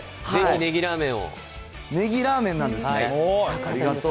ねぎラーメンなんですね。